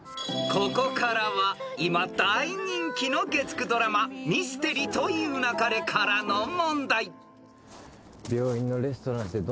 ［ここからは今大人気の月９ドラマ『ミステリと言う勿れ』からの問題］